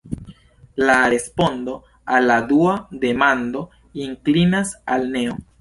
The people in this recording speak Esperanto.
La respondo al la dua demando inklinas al neo.